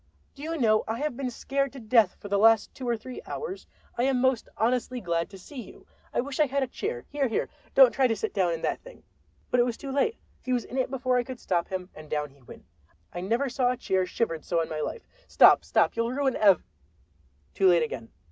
Do you know, I have been scared to death for the last two or three hours? I am most honestly glad to see you. I wish I had a chair—Here, here, don't try to sit down in that thing—" But it was too late. He was in it before I could stop him and down he went—I never saw a chair shivered so in my life. "Stop, stop, you'll ruin ev—" Too late again.